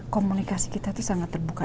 komunikasi kita itu sangat terbuka